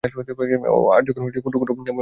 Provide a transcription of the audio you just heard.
আর্যগণ ক্ষুদ্র ক্ষুদ্র দলে ভারতে আসেন।